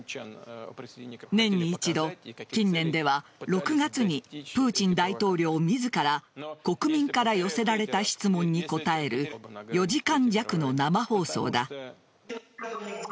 年に一度、近年では６月にプーチン大統領自ら国民から寄せられた質問に答える４時間弱の生放送だ。